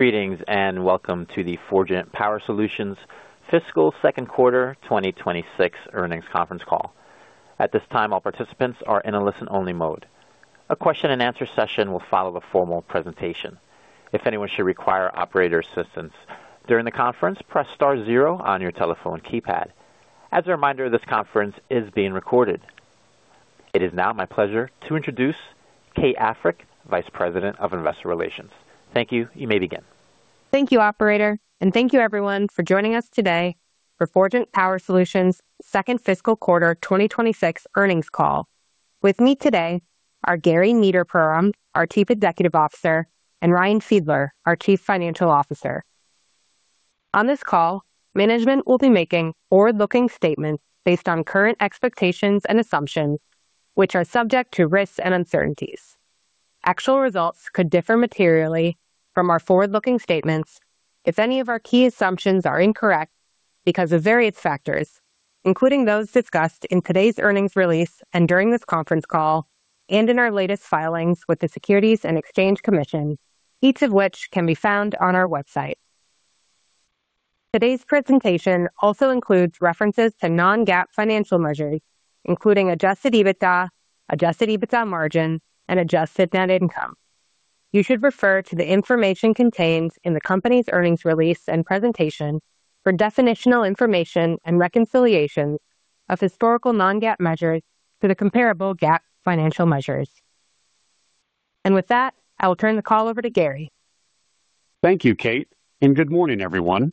Greetings and welcome to the Forgent Power Solutions Fiscal Second Quarter 2026 Earnings Conference Call. At this time, all participants are in a listen-only mode. A question and answer session will follow the formal presentation. If anyone should require operator assistance during the conference, press star zero on your telephone keypad. As a reminder, this conference is being recorded. It is now my pleasure to introduce Kate Africk, Vice President of Investor Relations. Thank you. You may begin. Thank you, operator, and thank you everyone for joining us today for Forgent Power Solutions second fiscal quarter 2026 earnings call. With me today are Gary Niederpruem, our Chief Executive Officer, and Ryan Fiedler, our Chief Financial Officer. On this call, management will be making forward-looking statements based on current expectations and assumptions, which are subject to risks and uncertainties. Actual results could differ materially from our forward-looking statements if any of our key assumptions are incorrect because of various factors, including those discussed in today's earnings release and during this conference call, and in our latest filings with the Securities and Exchange Commission, each of which can be found on our website. Today's presentation also includes references to non-GAAP financial measures, including adjusted EBITDA, adjusted EBITDA margin, and adjusted net income. You should refer to the information contained in the company's earnings release and presentation for definitional information and reconciliations of historical non-GAAP measures to the comparable GAAP financial measures. With that, I will turn the call over to Gary. Thank you, Kate, and good morning, everyone.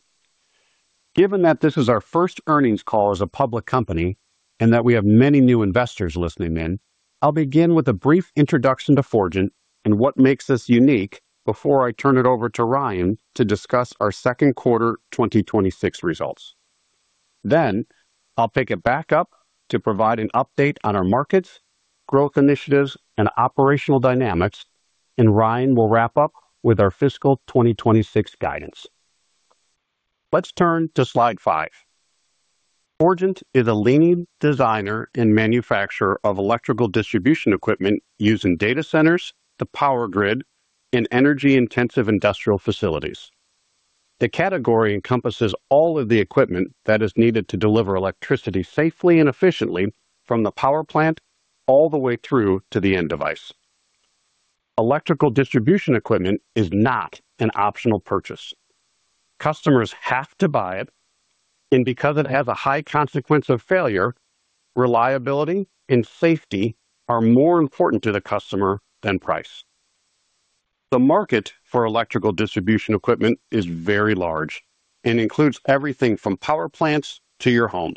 Given that this is our first earnings call as a public company and that we have many new investors listening in, I'll begin with a brief introduction to Forgent and what makes us unique before I turn it over to Ryan to discuss our second quarter 2026 results. I'll pick it back up to provide an update on our markets, growth initiatives, and operational dynamics, and Ryan will wrap up with our fiscal 2026 guidance. Let's turn to slide 5. Forgent is a leading designer and manufacturer of electrical distribution equipment used in data centers, the power grid, and energy-intensive industrial facilities. The category encompasses all of the equipment that is needed to deliver electricity safely and efficiently from the power plant all the way through to the end device. Electrical distribution equipment is not an optional purchase. Customers have to buy it, and because it has a high consequence of failure, reliability and safety are more important to the customer than price. The market for electrical distribution equipment is very large and includes everything from power plants to your home.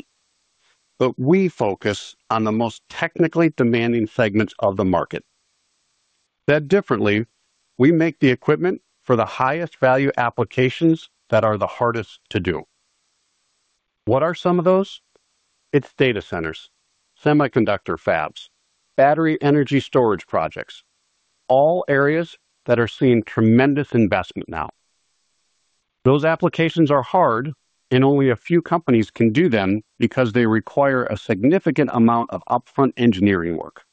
We focus on the most technically demanding segments of the market. Said differently, we make the equipment for the highest value applications that are the hardest to do. What are some of those? It's data centers, semiconductor fabs, battery energy storage projects, all areas that are seeing tremendous investment now. Those applications are hard, and only a few companies can do them because they require a significant amount of upfront engineering work.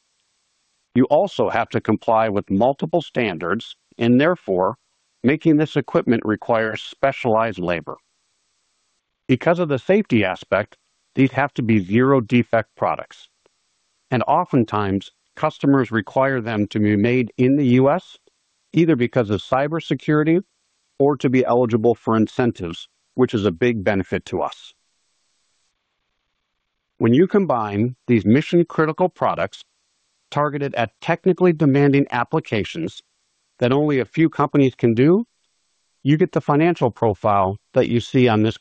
You also have to comply with multiple standards, and therefore making this equipment requires specialized labor. Because of the safety aspect, these have to be zero-defect products, and oftentimes customers require them to be made in the U.S., either because of cybersecurity or to be eligible for incentives, which is a big benefit to us. When you combine these mission-critical products targeted at technically demanding applications that only a few companies can do, you get the financial profile that you see on this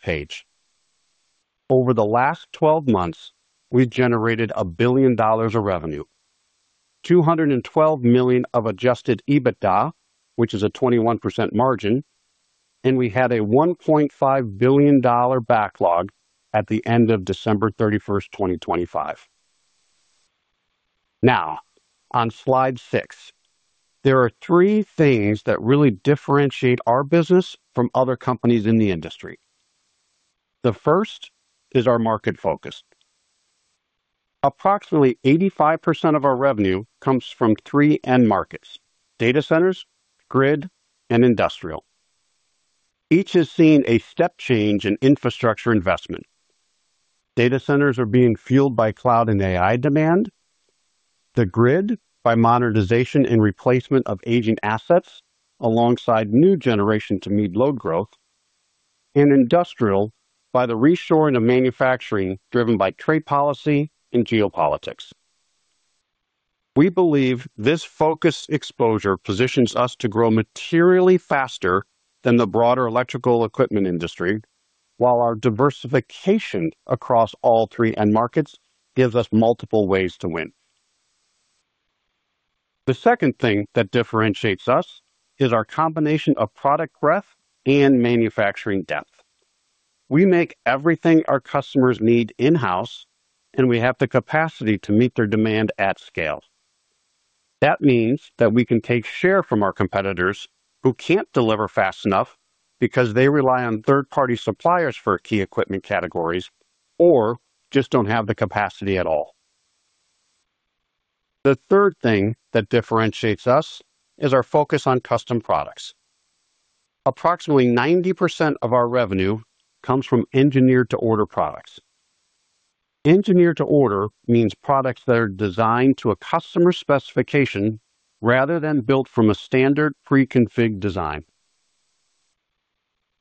page. Over the last 12 months, we've generated $1 billion of revenue, $212 million of adjusted EBITDA, which is a 21% margin, and we had a $1.5 billion backlog at the end of December 31, 2025. Now, on slide six, there are three things that really differentiate our business from other companies in the industry. The first is our market focus. Approximately 85% of our revenue comes from three end markets, data centers, grid, and industrial. Each has seen a step change in infrastructure investment. Data centers are being fueled by cloud and AI demand, the grid by modernization and replacement of aging assets alongside new generation to meet load growth, and industrial by the reshoring of manufacturing driven by trade policy and geopolitics. We believe this focus exposure positions us to grow materially faster than the broader electrical equipment industry, while our diversification across all three end markets gives us multiple ways to win. The second thing that differentiates us is our combination of product breadth and manufacturing depth. We make everything our customers need in-house, and we have the capacity to meet their demand at scale. That means that we can take share from our competitors who can't deliver fast enough because they rely on third-party suppliers for key equipment categories or just don't have the capacity at all. The third thing that differentiates us is our focus on custom products. Approximately 90% of our revenue comes from engineer-to-order products. Engineer-to-order means products that are designed to a customer's specification rather than built from a standard pre-config design.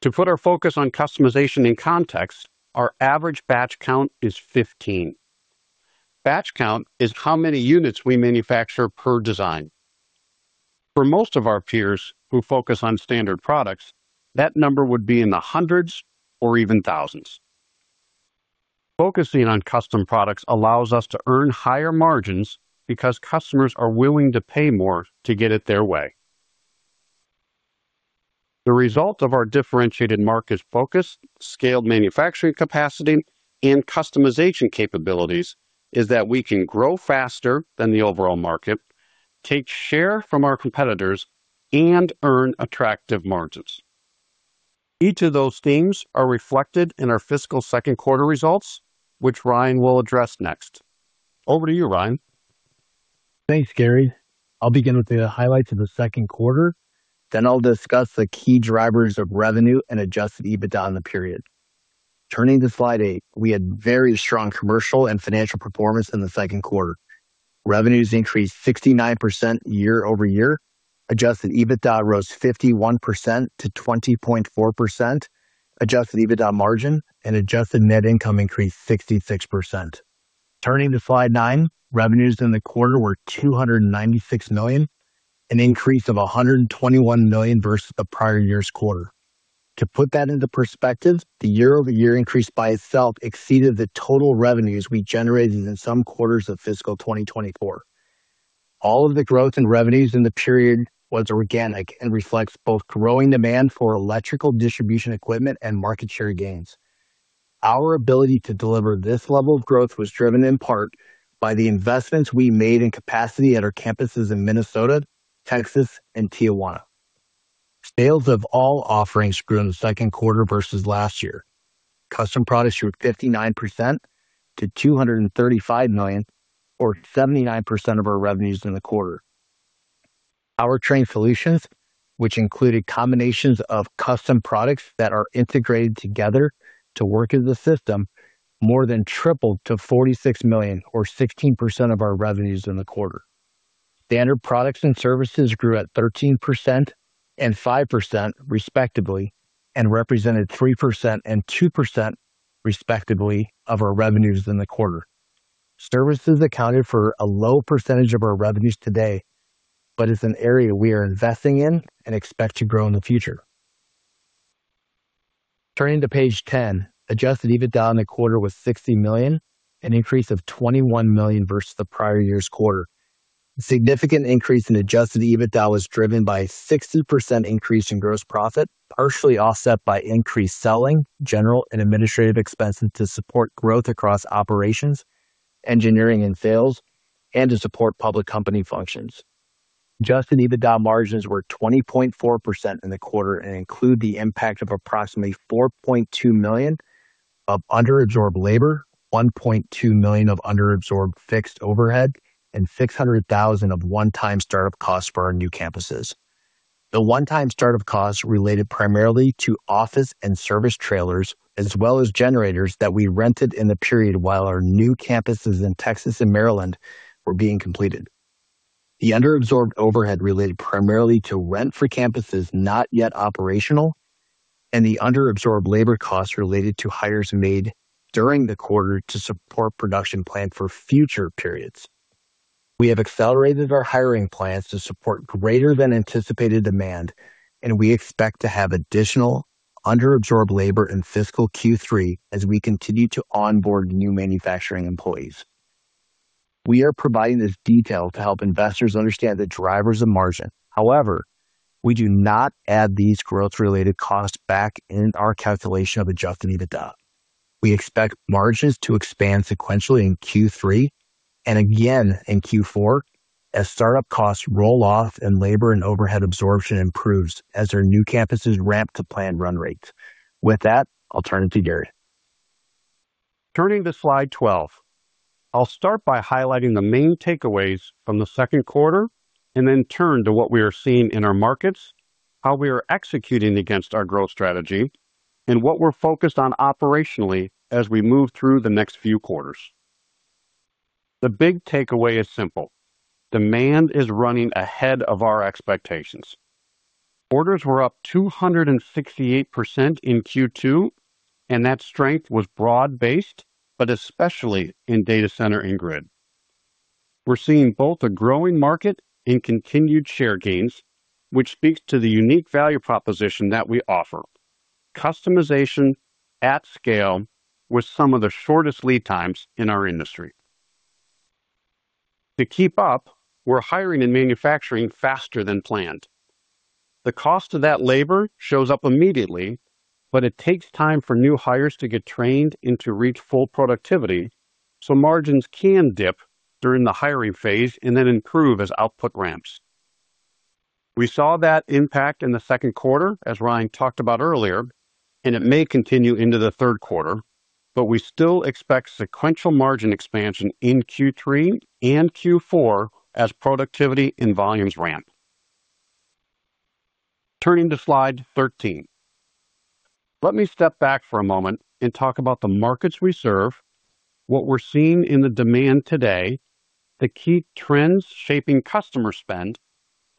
To put our focus on customization in context, our average batch count is 15. Batch count is how many units we manufacture per design. For most of our peers who focus on standard products, that number would be in the hundreds or even thousands. Focusing on custom products allows us to earn higher margins because customers are willing to pay more to get it their way. The result of our differentiated market focus, scaled manufacturing capacity, and customization capabilities is that we can grow faster than the overall market, take share from our competitors, and earn attractive margins. Each of those themes are reflected in our fiscal second quarter results, which Ryan will address next. Over to you, Ryan. Thanks, Gary. I'll begin with the highlights of the second quarter, then I'll discuss the key drivers of revenue and adjusted EBITDA in the period. Turning to slide eight. We had very strong commercial and financial performance in the second quarter. Revenues increased 69% year over year. Adjusted EBITDA rose 51% to 20.4%. Adjusted EBITDA margin and adjusted net income increased 66%. Turning to slide nine. Revenues in the quarter were $296 million, an increase of $121 million versus the prior year's quarter. To put that into perspective, the year-over-year increase by itself exceeded the total revenues we generated in some quarters of fiscal 2024. All of the growth in revenues in the period was organic and reflects both growing demand for electrical distribution equipment and market share gains. Our ability to deliver this level of growth was driven in part by the investments we made in capacity at our campuses in Minnesota, Texas, and Tijuana. Sales of all offerings grew in the second quarter versus last year. Custom products grew 59% to $235 million, or 79% of our revenues in the quarter. Powertrain solutions, which included combinations of custom products that are integrated together to work as a system, more than tripled to $46 million, or 16% of our revenues in the quarter. Standard products and services grew at 13% and 5% respectively, and represented 3% and 2%, respectively, of our revenues in the quarter. Services accounted for a low percentage of our revenues today, but is an area we are investing in and expect to grow in the future. Turning to page 10. Adjusted EBITDA in the quarter was $60 million, an increase of $21 million versus the prior year's quarter. Significant increase in adjusted EBITDA was driven by a 60% increase in gross profit, partially offset by increased selling, general and administrative expenses to support growth across operations, engineering and sales, and to support public company functions. Adjusted EBITDA margins were 20.4% in the quarter and include the impact of approximately $4.2 million of under-absorbed labor, $1.2 million of under-absorbed fixed overhead, and $600,000 of one-time startup costs for our new campuses. The one-time startup costs related primarily to office and service trailers, as well as generators that we rented in the period while our new campuses in Texas and Maryland were being completed. The under-absorbed overhead related primarily to rent for campuses not yet operational, and the under-absorbed labor costs related to hires made during the quarter to support production plan for future periods. We have accelerated our hiring plans to support greater than anticipated demand, and we expect to have additional under-absorbed labor in fiscal Q3 as we continue to onboard new manufacturing employees. We are providing this detail to help investors understand the drivers of margin. However, we do not add these growth-related costs back in our calculation of adjusted EBITDA. We expect margins to expand sequentially in Q3, and again in Q4 as startup costs roll off and labor and overhead absorption improves as our new campuses ramp to planned run rates. With that, I'll turn it to Gary. Turning to slide 12. I'll start by highlighting the main takeaways from the second quarter and then turn to what we are seeing in our markets, how we are executing against our growth strategy, and what we're focused on operationally as we move through the next few quarters. The big takeaway is simple: Demand is running ahead of our expectations. Orders were up 268% in Q2, and that strength was broad-based, but especially in data center and grid. We're seeing both a growing market and continued share gains, which speaks to the unique value proposition that we offer. Customization at scale with some of the shortest lead times in our industry. To keep up, we're hiring and manufacturing faster than planned. The cost of that labor shows up immediately, but it takes time for new hires to get trained and to reach full productivity, so margins can dip during the hiring phase and then improve as output ramps. We saw that impact in the second quarter, as Ryan talked about earlier, and it may continue into the third quarter, but we still expect sequential margin expansion in Q3 and Q4 as productivity and volumes ramp. Turning to slide 13. Let me step back for a moment and talk about the markets we serve, what we're seeing in the demand today, the key trends shaping customer spend,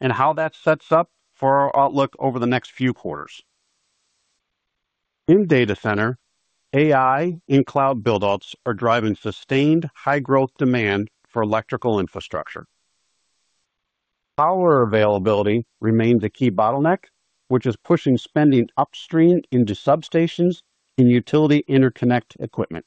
and how that sets up for our outlook over the next few quarters. In data center, AI and cloud build-outs are driving sustained high-growth demand for electrical infrastructure. Power availability remains a key bottleneck, which is pushing spending upstream into substations and utility interconnect equipment.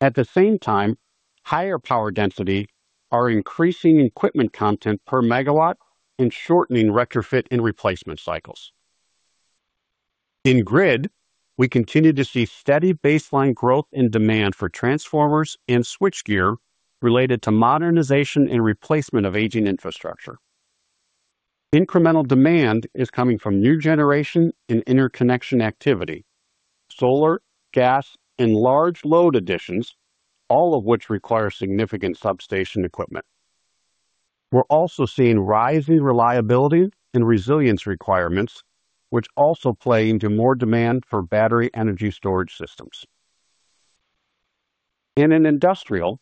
At the same time, higher power density are increasing equipment content per megawatt and shortening retrofit and replacement cycles. In grid, we continue to see steady baseline growth and demand for transformers and switchgear related to modernization and replacement of aging infrastructure. Incremental demand is coming from new generation and interconnection activity, solar, gas, and large load additions, all of which require significant substation equipment. We're also seeing rising reliability and resilience requirements, which also play into more demand for battery energy storage systems. In an industrial,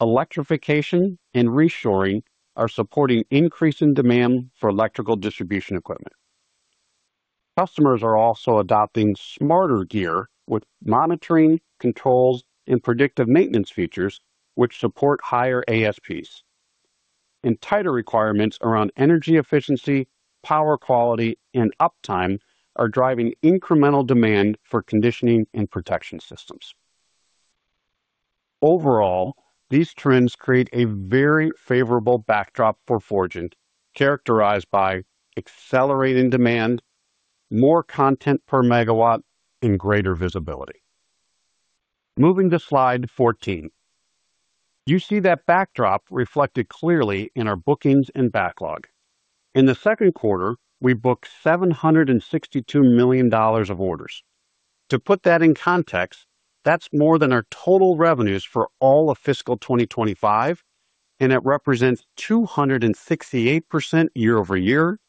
electrification and reshoring are supporting increasing demand for electrical distribution equipment. Customers are also adopting smarter gear with monitoring, controls, and predictive maintenance features which support higher ASPs. Tighter requirements around energy efficiency, power quality, and uptime are driving incremental demand for conditioning and protection systems. Overall, these trends create a very favorable backdrop for Forgent, characterized by accelerating demand, more content per megawatt, and greater visibility. Moving to slide 14. You see that backdrop reflected clearly in our bookings and backlog. In the second quarter, we booked $762 million of orders. To put that in context, that's more than our total revenues for all of fiscal 2025, and it represents 268% year-over-year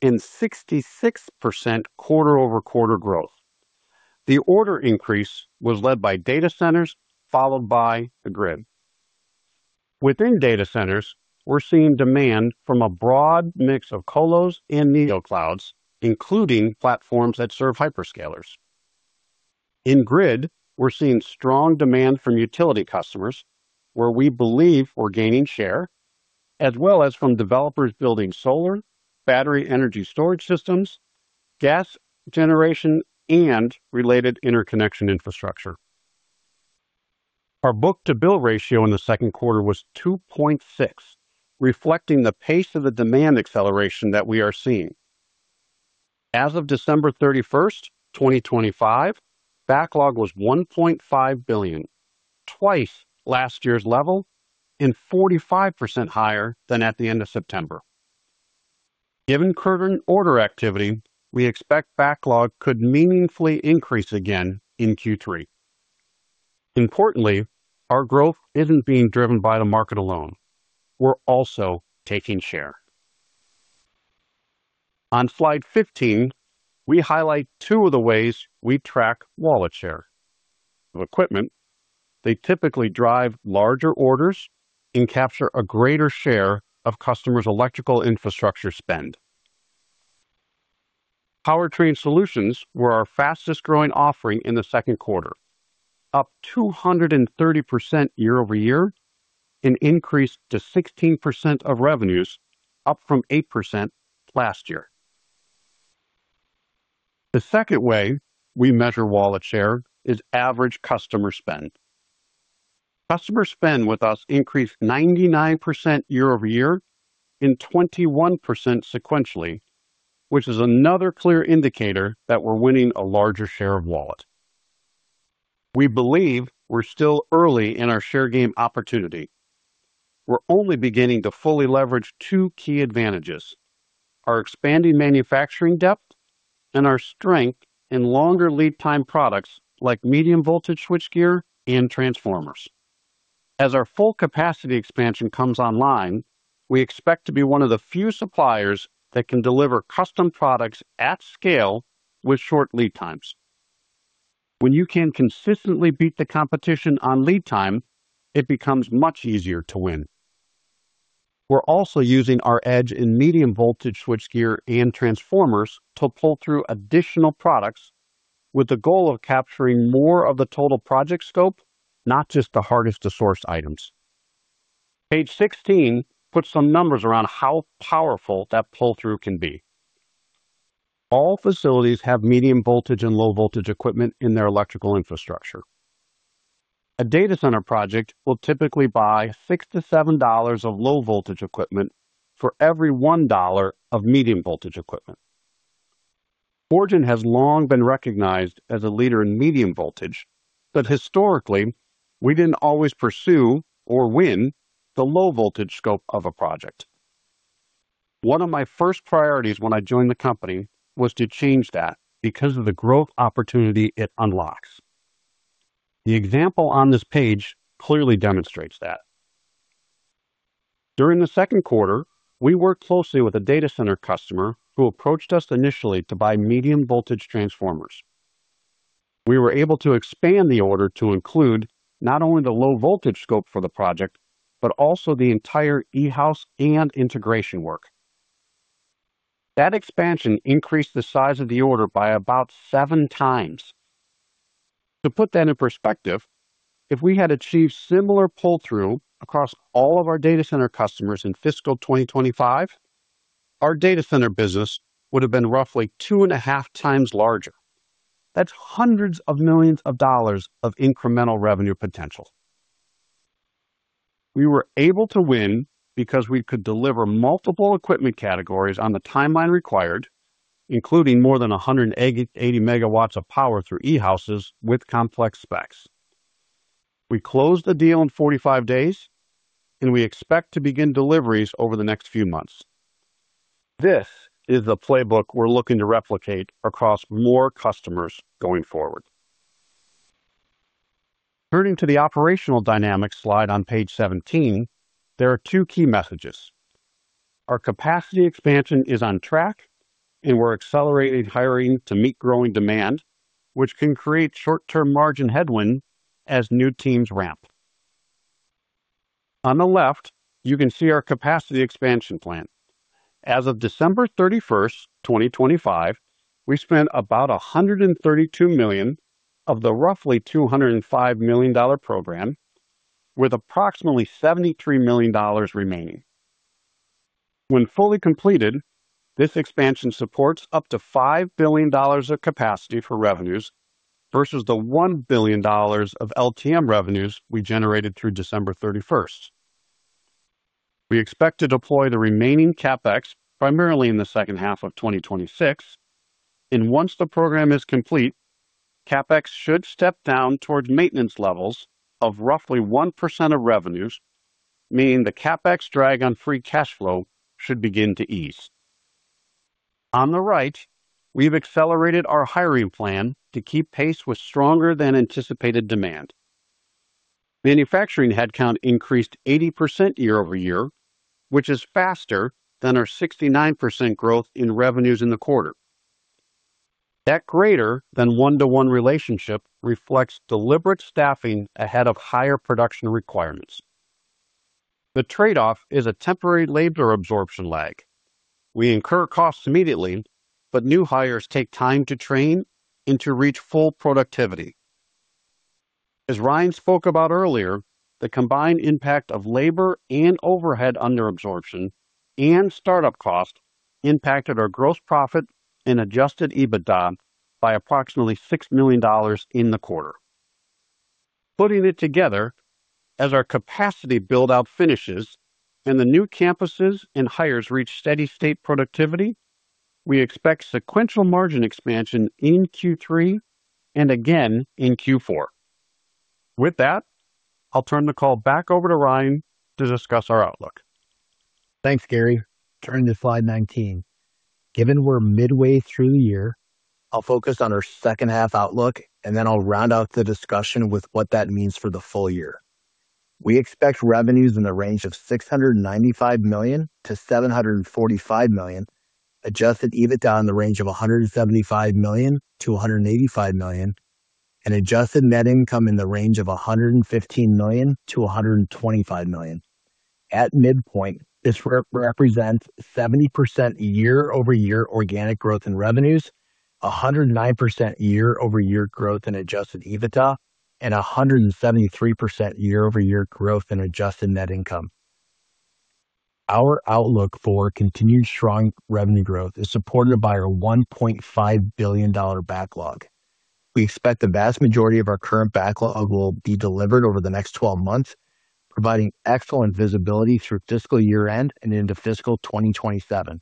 and 66% quarter-over-quarter growth. The order increase was led by data centers followed by the grid. Within data centers, we're seeing demand from a broad mix of colos and neo clouds, including platforms that serve hyperscalers. In grid, we're seeing strong demand from utility customers, where we believe we're gaining share, as well as from developers building solar, battery energy storage systems, gas generation, and related interconnection infrastructure. Our book-to-bill ratio in the second quarter was 2.6, reflecting the pace of the demand acceleration that we are seeing. As of December 31, 2025, backlog was $1.5 billion, twice last year's level and 45% higher than at the end of September. Given current order activity, we expect backlog could meaningfully increase again in Q3. Importantly, our growth isn't being driven by the market alone. We're also taking share. On slide 15, we highlight two of the ways we track wallet share. Of equipment, they typically drive larger orders and capture a greater share of customers' electrical infrastructure spend. Powertrain solutions were our fastest-growing offering in the second quarter, up 230% year-over-year, an increase to 16% of revenues, up from 8% last year. The second way we measure wallet share is average customer spend. Customer spend with us increased 99% year-over-year and 21% sequentially, which is another clear indicator that we're winning a larger share of wallet. We believe we're still early in our share gain opportunity. We're only beginning to fully leverage two key advantages, our expanding manufacturing depth and our strength in longer lead time products like medium voltage switchgear and transformers. As our full capacity expansion comes online, we expect to be one of the few suppliers that can deliver custom products at scale with short lead times. When you can consistently beat the competition on lead time, it becomes much easier to win. We're also using our edge in medium voltage switchgear and transformers to pull through additional products with the goal of capturing more of the total project scope, not just the hardest to source items. Page 16 puts some numbers around how powerful that pull-through can be. All facilities have medium voltage and low voltage equipment in their electrical infrastructure. A data center project will typically buy $6-$7 of low voltage equipment for every $1 of medium voltage equipment. Forgent has long been recognized as a leader in medium voltage, but historically, we didn't always pursue or win the low voltage scope of a project. One of my first priorities when I joined the company was to change that because of the growth opportunity it unlocks. The example on this page clearly demonstrates that. During the second quarter, we worked closely with a data center customer who approached us initially to buy medium voltage transformers. We were able to expand the order to include not only the low voltage scope for the project, but also the entire e-house and integration work. That expansion increased the size of the order by about seven times. To put that in perspective, if we had achieved similar pull-through across all of our data center customers in fiscal 2025, our data center business would have been roughly two and a half times larger. That's hundreds of millions of dollars of incremental revenue potential. We were able to win because we could deliver multiple equipment categories on the timeline required, including more than 180 MW of power through e-houses with complex specs. We closed the deal in 45 days, and we expect to begin deliveries over the next few months. This is the playbook we're looking to replicate across more customers going forward. Turning to the operational dynamics slide on page 17, there are two key messages. Our capacity expansion is on track, and we're accelerating hiring to meet growing demand, which can create short-term margin headwind as new teams ramp. On the left, you can see our capacity expansion plan. As of December 31st, 2025, we spent about $132 million of the roughly $205 million program, with approximately $73 million remaining. When fully completed, this expansion supports up to $5 billion of capacity for revenues versus the $1 billion of LTM revenues we generated through December 31st. We expect to deploy the remaining CapEx primarily in the second half of 2026, and once the program is complete, CapEx should step down towards maintenance levels of roughly 1% of revenues, meaning the CapEx drag on free cash flow should begin to ease. On the right, we've accelerated our hiring plan to keep pace with stronger than anticipated demand. Manufacturing headcount increased 80% year-over-year, which is faster than our 69% growth in revenues in the quarter. That greater than one-to-one relationship reflects deliberate staffing ahead of higher production requirements. The trade-off is a temporary labor absorption lag. We incur costs immediately, but new hires take time to train and to reach full productivity. As Ryan spoke about earlier, the combined impact of labor and overhead under absorption and startup cost impacted our gross profit and adjusted EBITDA by approximately $6 million in the quarter. Putting it together, as our capacity build-out finishes and the new campuses and hires reach steady state productivity, we expect sequential margin expansion in Q3 and again in Q4. With that, I'll turn the call back over to Ryan to discuss our outlook. Thanks, Gary. Turning to slide 19. Given we're midway through the year, I'll focus on our second half outlook, and then I'll round out the discussion with what that means for the full year. We expect revenues in the range of $695 million-$745 million, adjusted EBITDA in the range of $175 million-$185 million, and adjusted net income in the range of $115 million-$125 million. At midpoint, this represents 70% year-over-year organic growth in revenues, 109% year-over-year growth in adjusted EBITDA, and 173% year-over-year growth in adjusted net income. Our outlook for continued strong revenue growth is supported by our $1.5 billion backlog. We expect the vast majority of our current backlog will be delivered over the next 12 months, providing excellent visibility through fiscal year-end and into fiscal 2027.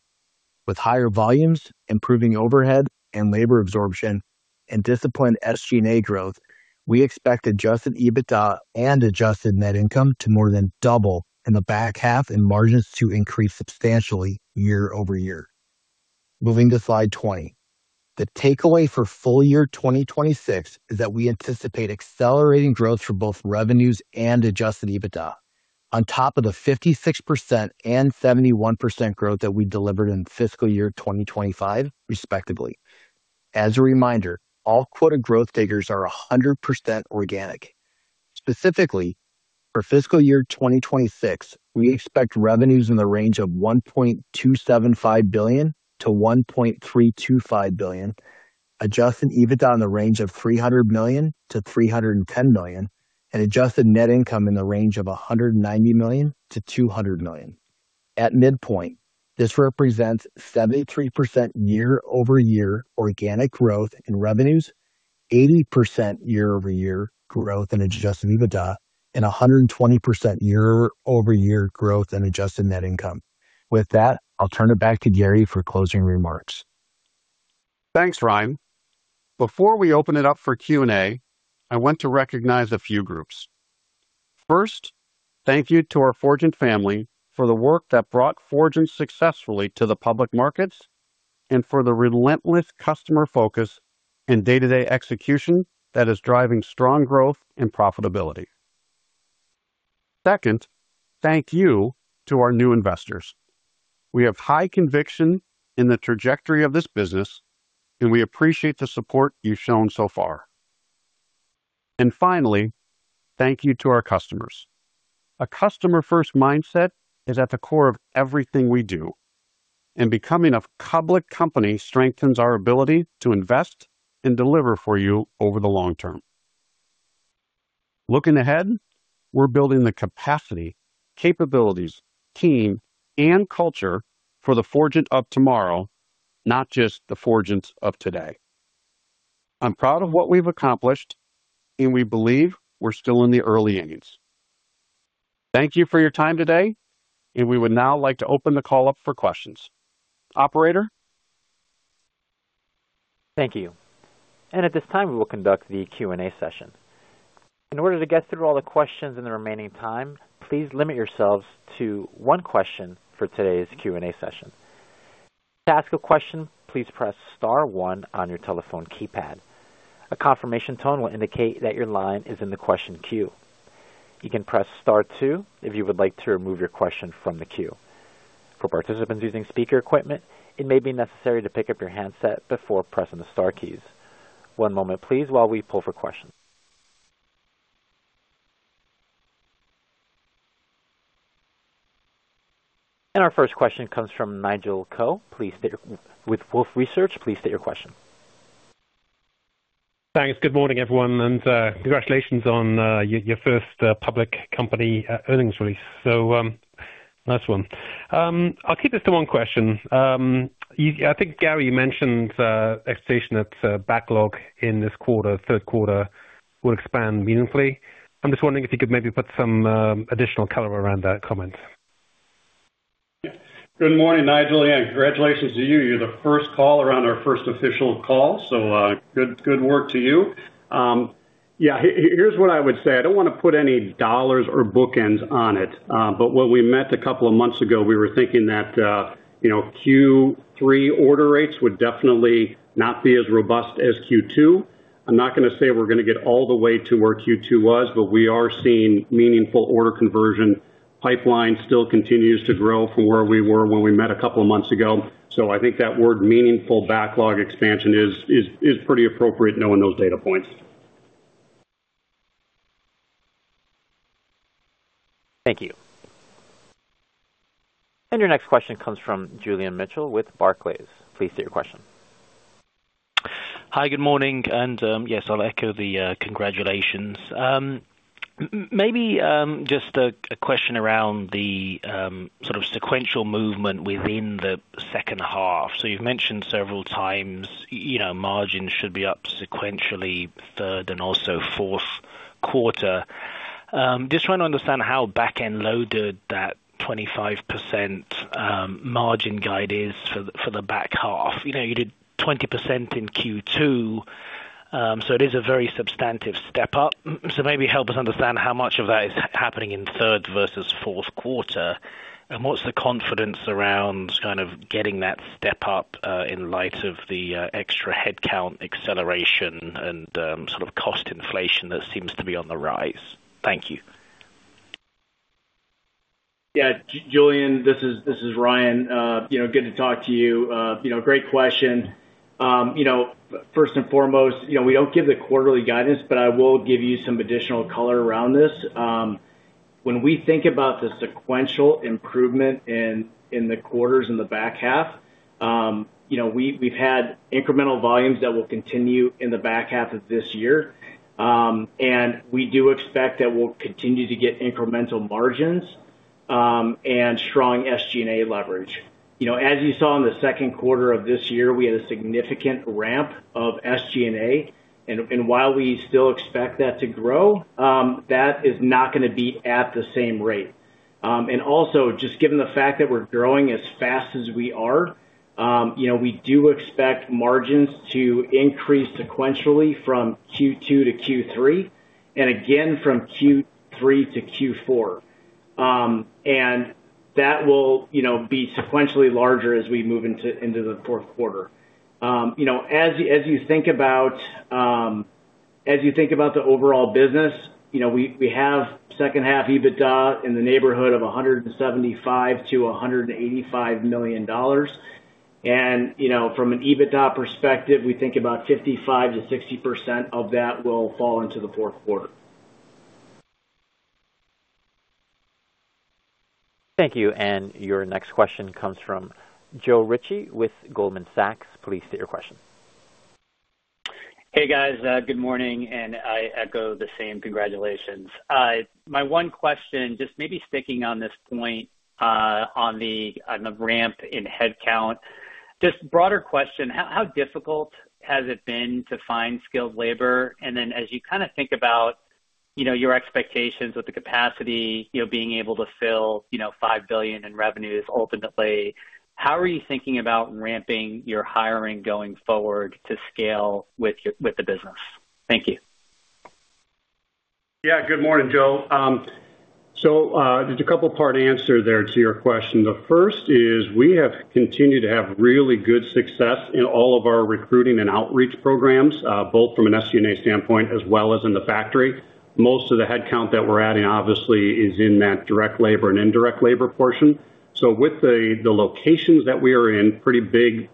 With higher volumes, improving overhead and labor absorption, and disciplined SG&A growth, we expect adjusted EBITDA and adjusted net income to more than double in the back half and margins to increase substantially year-over-year. Moving to slide 20. The takeaway for full year 2026 is that we anticipate accelerating growth for both revenues and adjusted EBITDA on top of the 56% and 71% growth that we delivered in fiscal year 2025, respectively. As a reminder, all quota growth figures are 100% organic. Specifically, for fiscal year 2026, we expect revenues in the range of $1.275 billion-$1.325 billion, adjusted EBITDA in the range of $300 million-$310 million, and adjusted net income in the range of $190 million-$200 million. At midpoint, this represents 73% year-over-year organic growth in revenues. 80% year-over-year growth in adjusted EBITDA and 120% year-over-year growth in adjusted net income. With that, I'll turn it back to Gary for closing remarks. Thanks, Ryan. Before we open it up for Q&A, I want to recognize a few groups. First, thank you to our Forgent family for the work that brought Forgent successfully to the public markets and for the relentless customer focus and day-to-day execution that is driving strong growth and profitability. Second, thank you to our new investors. We have high conviction in the trajectory of this business, and we appreciate the support you've shown so far. Finally, thank you to our customers. A customer-first mindset is at the core of everything we do, and becoming a public company strengthens our ability to invest and deliver for you over the long term. Looking ahead, we're building the capacity, capabilities, team, and culture for the Forgent of tomorrow, not just the Forgent of today. I'm proud of what we've accomplished, and we believe we're still in the early innings. Thank you for your time today, and we would now like to open the call up for questions. Operator? Thank you. At this time, we will conduct the Q&A session. In order to get through all the questions in the remaining time, please limit yourselves to one question for today's Q&A session. To ask a question, please press star one on your telephone keypad. A confirmation tone will indicate that your line is in the question queue. You can press star two if you would like to remove your question from the queue. For participants using speaker equipment, it may be necessary to pick up your handset before pressing the star keys. One moment, please, while we pull for questions. Our first question comes from Nigel Coe with Wolfe Research. Please state your question. Thanks. Good morning, everyone, and congratulations on your first public company earnings release. Nice one. I'll keep this to one question. I think, Gary, you mentioned expectation that backlog in this quarter, third quarter will expand meaningfully. I'm just wondering if you could maybe put some additional color around that comment. Good morning, Nigel, and congratulations to you. You're the first caller on our first official call, so good work to you. Here's what I would say. I don't wanna put any dollars or bookends on it, but when we met a couple of months ago, we were thinking that you know, Q3 order rates would definitely not be as robust as Q2. I'm not gonna say we're gonna get all the way to where Q2 was, but we are seeing meaningful order conversion. Pipeline still continues to grow from where we were when we met a couple of months ago. I think that word meaningful backlog expansion is pretty appropriate knowing those data points. Thank you. Your next question comes from Julian Mitchell with Barclays. Please state your question. Hi, good morning. Yes, I'll echo the congratulations. Maybe just a question around the sort of sequential movement within the second half. You've mentioned several times, you know, margins should be up sequentially third and also fourth quarter. Just trying to understand how back-end loaded that 25% margin guide is for the back half. You know, you did 20% in Q2, so it is a very substantive step up. Maybe help us understand how much of that is happening in third versus fourth quarter, and what's the confidence around kind of getting that step up, in light of the extra headcount acceleration and sort of cost inflation that seems to be on the rise. Thank you. Yeah. Julian, this is Ryan. You know, good to talk to you. You know, great question. You know, first and foremost, you know, we don't give the quarterly guidance, but I will give you some additional color around this. When we think about the sequential improvement in the quarters in the back half, you know, we've had incremental volumes that will continue in the back half of this year. We do expect that we'll continue to get incremental margins, and strong SG&A leverage. You know, as you saw in the second quarter of this year, we had a significant ramp of SG&A, and while we still expect that to grow, that is not gonna be at the same rate. Just given the fact that we're growing as fast as we are, you know, we do expect margins to increase sequentially from Q2 to Q3 and again from Q3 to Q4. That will, you know, be sequentially larger as we move into the fourth quarter. You know, as you think about the overall business, you know, we have second half EBITDA in the neighborhood of $175 million-$185 million. From an EBITDA perspective, we think about 55%-60% of that will fall into the fourth quarter. Thank you. Your next question comes from Joe Ritchie with Goldman Sachs. Please state your question. Hey, guys. Good morning, and I echo the same congratulations. My one question, just maybe sticking on this point, on the ramp in headcount. Just broader question. How difficult has it been to find skilled labor? As you kind of think about, you know, your expectations with the capacity, you know, being able to fill, you know, $5 billion in revenues ultimately, how are you thinking about ramping your hiring going forward to scale with the business? Thank you. Good morning, Joe. There's a two-part answer there to your question. The first is we have continued to have really good success in all of our recruiting and outreach programs, both from an SG&A standpoint as well as in the factory. Most of the headcount that we're adding obviously is in that direct labor and indirect labor portion. With the locations that we are in, pretty big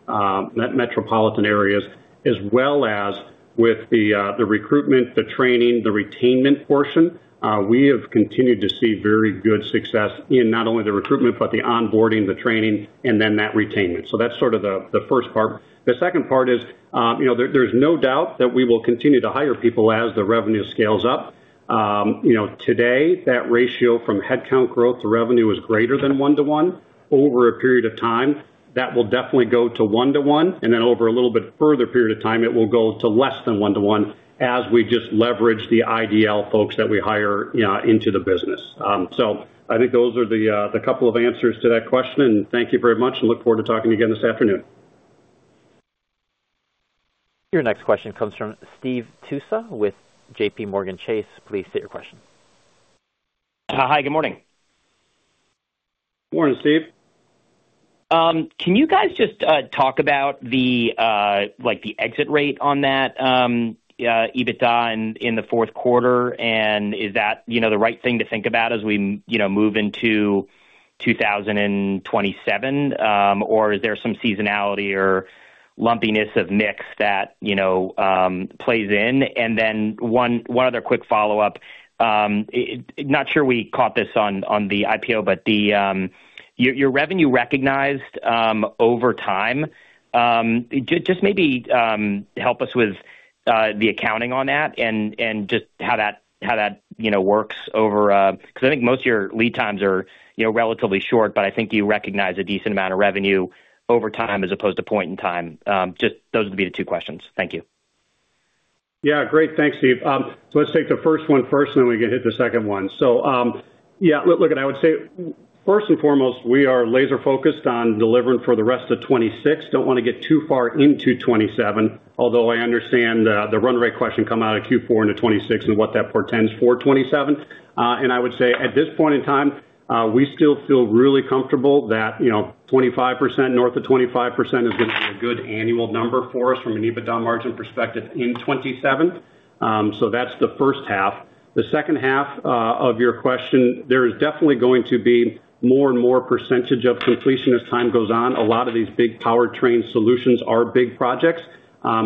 metropolitan areas, as well as with the recruitment, the training, the retention portion, we have continued to see very good success in not only the recruitment, but the onboarding, the training, and then that retention. That's sort of the first part. The second part is, you know, there's no doubt that we will continue to hire people as the revenue scales up. You know, today that ratio from headcount growth to revenue is greater than one-to-one. Over a period of time, that will definitely go to one-to-one, and then over a little bit further period of time, it will go to less than one-to-one as we just leverage the IDL folks that we hire into the business. So I think those are the couple of answers to that question, and thank you very much and look forward to talking again this afternoon. Your next question comes from Steve Tusa with J.P. Morgan Chase. Please state your question. Hi. Good morning. Morning, Steve. Can you guys just talk about the like the exit rate on that EBITDA in the fourth quarter? And is that you know the right thing to think about as we move into 2027? Or is there some seasonality or lumpiness of mix that you know plays in? And then one other quick follow-up. Not sure we caught this on the IPO, but your revenue recognized over time. Just maybe help us with the accounting on that and just how that you know works over 'cause I think most of your lead times are you know relatively short, but I think you recognize a decent amount of revenue over time as opposed to point in time. Just those would be the two questions. Thank you. Yeah. Great. Thanks, Steve. Let's take the first one first, then we can hit the second one. Look, I would say first and foremost, we are laser-focused on delivering for the rest of 2026. Don't wanna get too far into 2027, although I understand the run rate question coming out of Q4 into 2026 and what that portends for 2027. I would say at this point in time, we still feel really comfortable that, you know, 25%, north of 25% is gonna be a good annual number for us from an EBITDA margin perspective in 2027. That's the first half. The second half of your question, there is definitely going to be more and more percentage of completion as time goes on. A lot of these big powertrain solutions are big projects,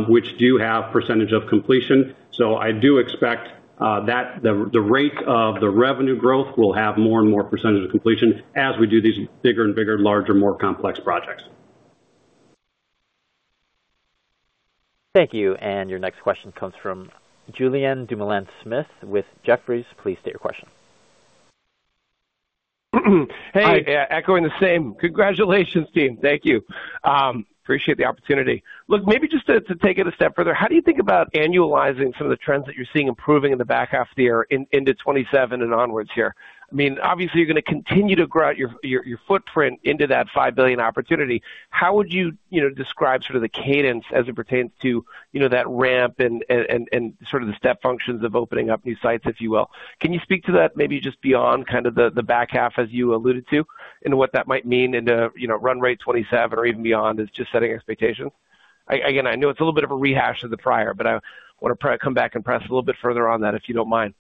which do have percentage of completion. I do expect that the rate of the revenue growth will have more and more percentage of completion as we do these bigger and bigger, larger, more complex projects. Thank you. Your next question comes from Julien Dumoulin-Smith with Jefferies. Please state your question. Hey. Hi. Echoing the same. Congratulations, team. Thank you. Appreciate the opportunity. Look, maybe just to take it a step further, how do you think about annualizing some of the trends that you're seeing improving in the back half of the year into 2027 and onwards here? I mean, obviously, you're gonna continue to grow your footprint into that $5 billion opportunity. How would you know, describe sort of the cadence as it pertains to, you know, that ramp and sort of the step functions of opening up new sites, if you will? Can you speak to that maybe just beyond kind of the back half, as you alluded to, and what that might mean into, you know, run rate 2027 or even beyond as just setting expectations? Again, I know it's a little bit of a rehash of the prior, but I wanna come back and press a little bit further on that, if you don't mind.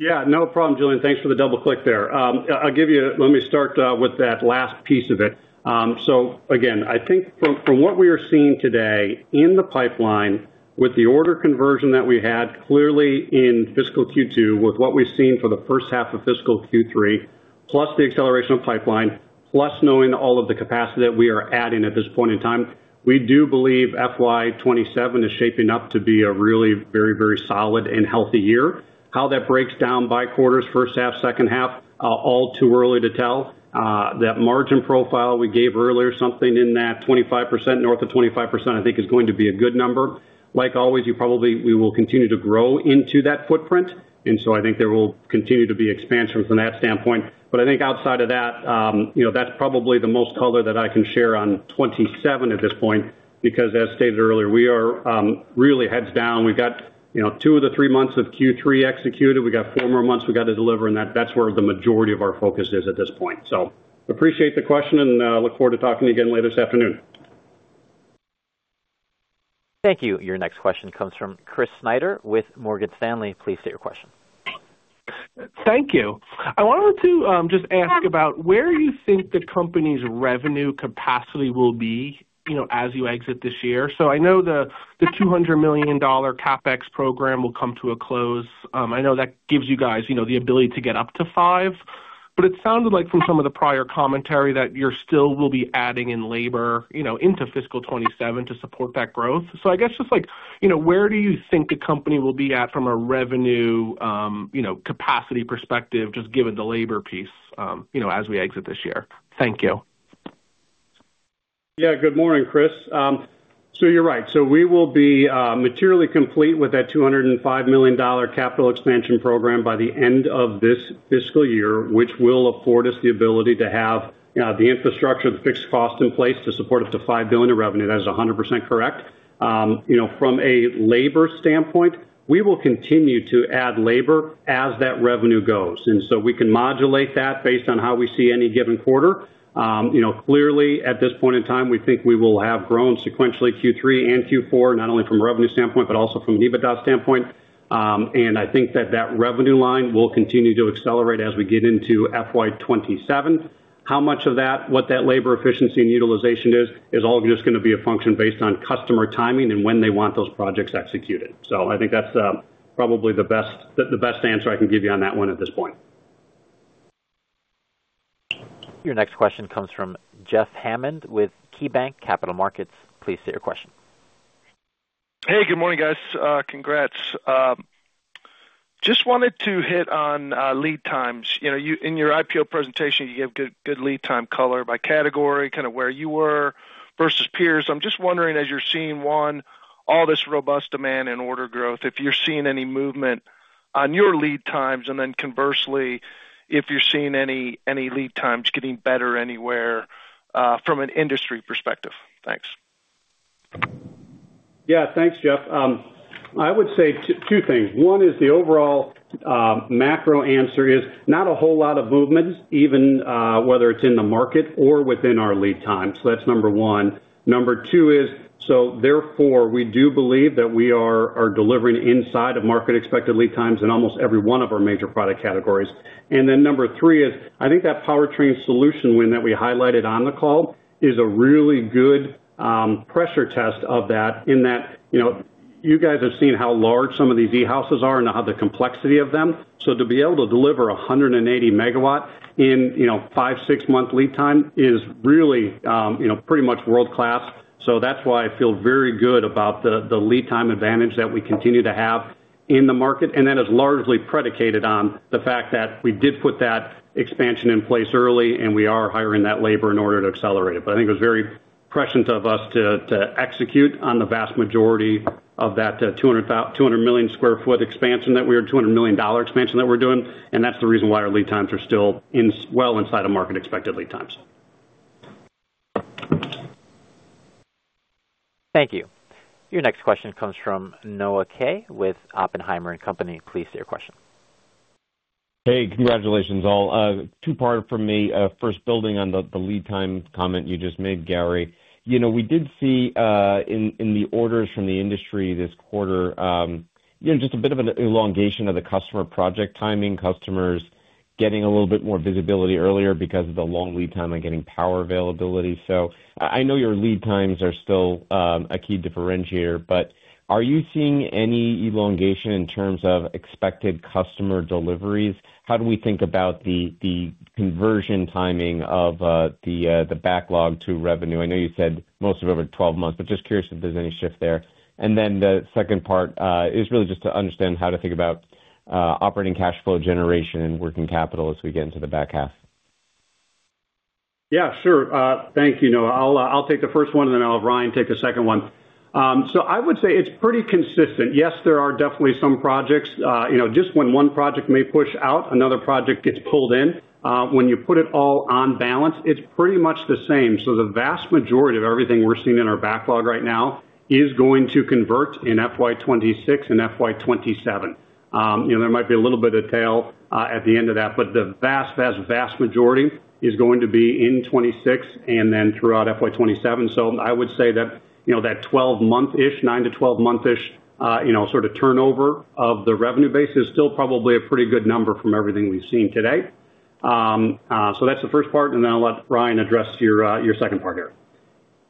Yeah. No problem, Julien. Thanks for the double click there. Let me start with that last piece of it. So again, I think from what we are seeing today in the pipeline with the order conversion that we had clearly in fiscal Q2 with what we've seen for the first half of fiscal Q3, plus the acceleration of pipeline, plus knowing all of the capacity that we are adding at this point in time, we do believe FY 2027 is shaping up to be a really very, very solid and healthy year. How that breaks down by quarters, first half, second half, all too early to tell. That margin profile we gave earlier, something in that 25%, north of 25%, I think is going to be a good number. Like always, we will continue to grow into that footprint, and so I think there will continue to be expansion from that standpoint. I think outside of that, you know, that's probably the most color that I can share on 2027 at this point, because as stated earlier, we are really heads down. We've got, you know, two of the three months of Q3 executed. We got four more months we got to deliver, and that's where the majority of our focus is at this point. Appreciate the question and look forward to talking to you again later this afternoon. Thank you. Your next question comes from Chris Snyder with Morgan Stanley. Please state your question. Thank you. I wanted to just ask about where you think the company's revenue capacity will be, you know, as you exit this year. I know the $200 million CapEx program will come to a close. I know that gives you guys, you know, the ability to get up to five. It sounded like from some of the prior commentary that you still will be adding in labor, you know, into fiscal 2027 to support that growth. I guess just like, you know, where do you think the company will be at from a revenue, you know, capacity perspective, just given the labor piece, you know, as we exit this year? Thank you. Yeah. Good morning, Chris. You're right. We will be materially complete with that $205 million capital expansion program by the end of this fiscal year, which will afford us the ability to have the infrastructure, the fixed costs in place to support up to $5 billion in revenue. That is 100% correct. You know, from a labor standpoint, we will continue to add labor as that revenue goes, and so we can modulate that based on how we see any given quarter. You know, clearly, at this point in time, we think we will have grown sequentially Q3 and Q4, not only from a revenue standpoint, but also from an EBITDA standpoint. I think that revenue line will continue to accelerate as we get into FY 2027. How much of that, what that labor efficiency and utilization is all just gonna be a function based on customer timing and when they want those projects executed. I think that's probably the best answer I can give you on that one at this point. Your next question comes from Jeff Hammond with KeyBanc Capital Markets. Please state your question. Hey, good morning, guys. Congrats. Just wanted to hit on lead times. You know, in your IPO presentation, you gave good lead time color by category, kind of where you were versus peers. I'm just wondering, as you're seeing, one, all this robust demand and order growth, if you're seeing any movement on your lead times, and then conversely, if you're seeing any lead times getting better anywhere from an industry perspective. Thanks. Yeah. Thanks, Jeff. I would say two things. One is the overall macro answer is not a whole lot of movement, even whether it's in the market or within our lead times. That's number one. Number two is, so therefore, we do believe that we are delivering inside of market expected lead times in almost every one of our major product categories. Then number three is, I think that powertrain solution win that we highlighted on the call is a really good pressure test of that in that, you know, you guys have seen how large some of these e-houses are and how the complexity of them. To be able to deliver 180 megawatt in, you know, five, six month lead time is really, you know, pretty much world-class. That's why I feel very good about the lead time advantage that we continue to have in the market, and that is largely predicated on the fact that we did put that expansion in place early, and we are hiring that labor in order to accelerate it. I think it was very prescient of us to execute on the vast majority of that $200 million expansion that we're doing, and that's the reason why our lead times are still well inside of market expected lead times. Thank you. Your next question comes from Noah Kaye with Oppenheimer & Co. Inc. Please state your question. Hey, congratulations, all. Two-part from me. First, building on the lead time comment you just made, Gary. You know, we did see in the orders from the industry this quarter, you know, just a bit of an elongation of the customer project timing, customers getting a little bit more visibility earlier because of the long lead time on getting power availability. I know your lead times are still a key differentiator, but are you seeing any elongation in terms of expected customer deliveries? How do we think about the conversion timing of the backlog to revenue? I know you said most of them are 12 months, but just curious if there's any shift there. The second part is really just to understand how to think about operating cash flow generation and working capital as we get into the back half. Yeah, sure. Thank you, Noah. I'll take the first one, and then I'll have Ryan take the second one. I would say it's pretty consistent. Yes, there are definitely some projects. You know, just when one project may push out, another project gets pulled in. When you put it all on balance, it's pretty much the same. The vast majority of everything we're seeing in our backlog right now is going to convert in FY 2026 and FY 2027. You know, there might be a little bit of tail at the end of that, but the vast majority is going to be in 2026 and then throughout FY 2027. I would say that, you know, that 12-month-ish, nine-12-month-ish, you know, sort of turnover of the revenue base is still probably a pretty good number from everything we've seen today. That's the first part, and then I'll let Ryan address your second part here.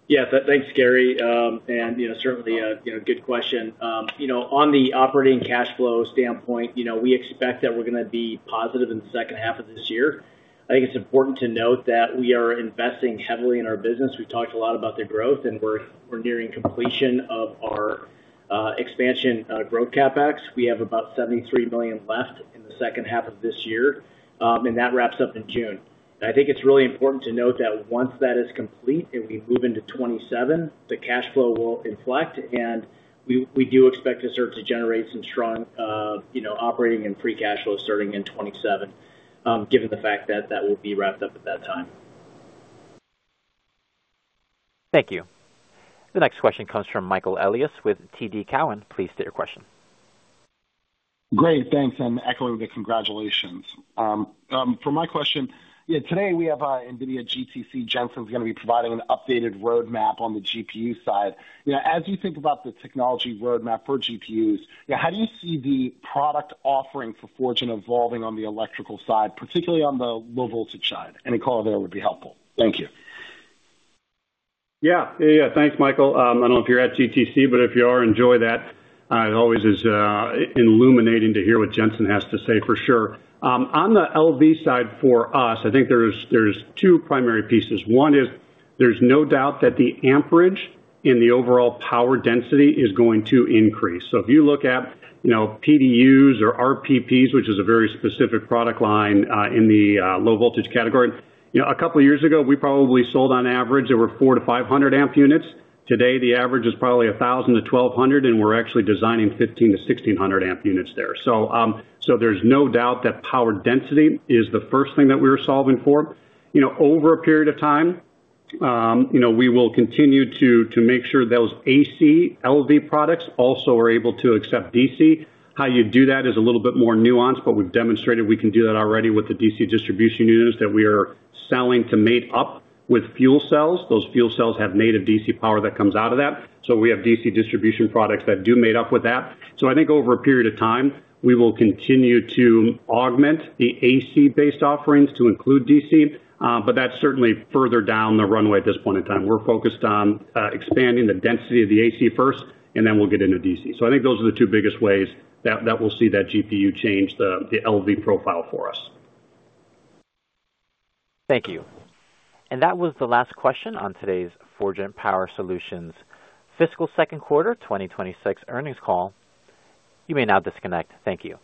Yeah. Thanks, Gary. You know, certainly, you know, good question. You know, on the operating cash flow standpoint, you know, we expect that we're gonna be positive in the second half of this year. I think it's important to note that we are investing heavily in our business. We've talked a lot about the growth, and we're nearing completion of our expansion growth CapEx. We have about $73 million left in the second half of this year, and that wraps up in June. I think it's really important to note that once that is complete and we move into 2027, the cash flow will inflect, and we do expect to start to generate some strong, you know, operating and free cash flow starting in 2027, given the fact that that will be wrapped up at that time. Thank you. The next question comes from Michael Elias with TD Cowen. Please state your question. Great. Thanks, and echoing the congratulations. For my question, yeah, today we have NVIDIA GTC. Jensen's gonna be providing an updated roadmap on the GPU side. You know, as you think about the technology roadmap for GPUs, you know, how do you see the product offering for Forgent evolving on the electrical side, particularly on the low voltage side? Any color there would be helpful. Thank you. Yeah. Thanks, Michael. I don't know if you're at GTC, but if you are, enjoy that. It always is illuminating to hear what Jensen has to say, for sure. On the LV side for us, I think there's two primary pieces. One is there's no doubt that the amperage and the overall power density is going to increase. If you look at, you know, PDUs or RPPs, which is a very specific product line, in the low voltage category, you know, a couple years ago, we probably sold on average over 400-500 amp units. Today, the average is probably 1,000-1,200, and we're actually designing 1,500-1,600 amp units there. There's no doubt that power density is the first thing that we're solving for. You know, over a period of time, you know, we will continue to make sure those AC LV products also are able to accept DC. How you do that is a little bit more nuanced, but we've demonstrated we can do that already with the DC distribution units that we are selling to mate up with fuel cells. Those fuel cells have native DC power that comes out of that, so we have DC distribution products that do mate up with that. I think over a period of time, we will continue to augment the AC-based offerings to include DC, but that's certainly further down the runway at this point in time. We're focused on expanding the density of the AC first, and then we'll get into DC. I think those are the two biggest ways that we'll see that GPU change the LV profile for us. Thank you. That was the last question on today's Forgent Power Solutions fiscal second quarter 2026 earnings call. You may now disconnect. Thank you.